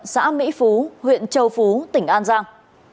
xã mỹ phú huyện châu phú tỉnh an giang